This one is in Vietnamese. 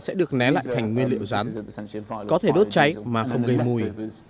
bã cà phê sẽ được né lại thành nguyên liệu rắn có thể đốt cháy mà không gây mùi